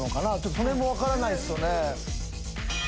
そのへんも分からないっすよね。